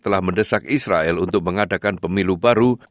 telah mendesak israel untuk mengadakan pemilu baru